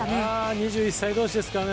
２１歳同士ですからね。